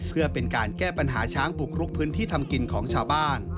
เพื่อเป็นการแก้ปัญหาช้างบุกรุกพื้นที่ทำกินของชาวบ้าน